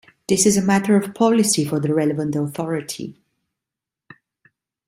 This is a matter of policy for the relevant authority.